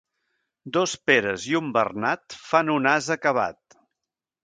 Dos Peres i un Bernat fan un ase acabat.